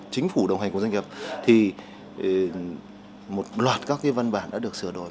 chính phủ đồng hành cùng doanh nghiệp thì một loạt các cái văn bản đã được sửa đổi